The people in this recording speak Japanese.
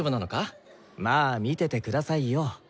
まあ見ててくださいよ。